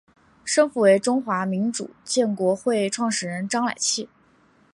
生父为中国民主建国会创始人章乃器。